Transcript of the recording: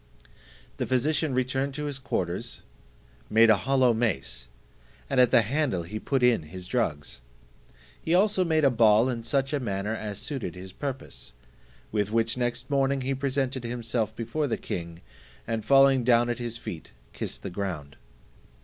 The physician returned to his quarters, made a hollow mace, and at the handle he put in his drugs; he made also a ball in such a manner as suited his purpose, with which next morning he presented himself before the king, and falling down at his feet, kissed the ground.